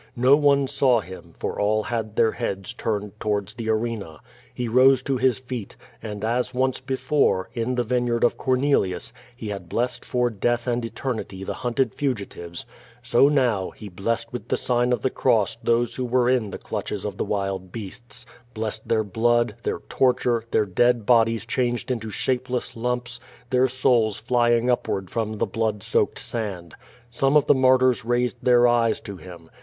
No one saw him, for all had their heads turned toward the arena. He rose to his feet, and, as once before, in the vine yard of Cornelius, he had blessed for death and eternity the hunted fugitives, so now he blessed with the sign of the cross those who were in the clutches of the wild beasts; blessed their blood, their torture, their dead bodies changed into shapeless lumps, their souls flying upward from the blood soaked sand. Some of the martyrs i aised their eyes to him.